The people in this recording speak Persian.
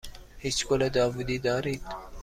هیچ گل داوودی دارید؟